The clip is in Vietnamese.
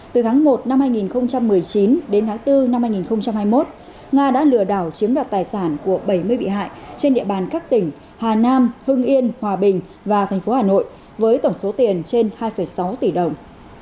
từ tháng một năm hai nghìn một mươi chín đến tháng bốn năm hai nghìn hai mươi một nga đã lừa đảo chiếm đoạt tài sản của bảy mươi bị hại trên địa bàn các tỉnh hà nam hưng yên hòa bình và tp hà nội với tổng số tiền trên hai sáu tỷ đồng